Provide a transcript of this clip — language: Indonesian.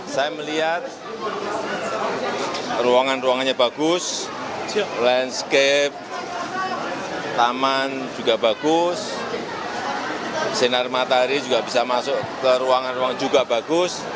saya melihat ruangan ruangannya bagus landscape taman juga bagus sinar matahari juga bisa masuk ke ruangan ruang juga bagus